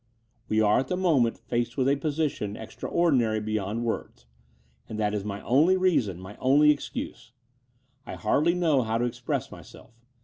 We are at the moment faced with a position extraordinary beyond words; and that is my only reason, my only excuse. I hardly know how to express myself.